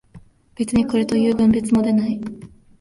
別にこれという分別も出ない